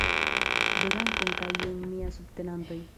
Do dankon kaj jen mia subtenantoj